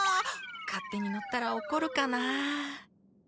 勝手に乗ったら怒るかな？